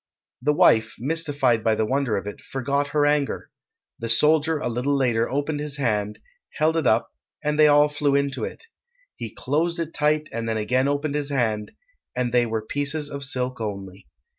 The wife, mystified by the wonder of it, forgot her anger. The soldier a little later opened his hand, held it up, and they all flew into it. He closed it tight and then again opened his hand, and they were pieces of silk only.